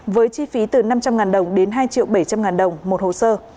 với chi phí từ năm trăm linh đồng đến hai bảy trăm linh đồng một hồ sơ